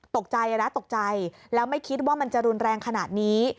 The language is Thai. ตกใจนะตกใจแล้วไม่คิดว่ามันจะรุนแรงขนาดนี้